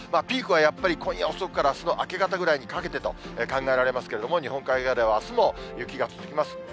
ピークはやっぱり今夜遅くからあすの明け方ぐらいにかけてと考えられますけれども、日本海側ではあすも雪が続きます。